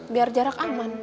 biar jarak aman